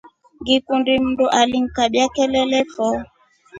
Ngikundi mndu alingikabia kelele fo.